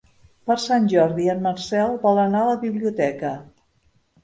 Per Sant Jordi en Marcel vol anar a la biblioteca.